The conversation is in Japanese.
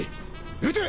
撃て！